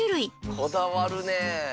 こだわるね。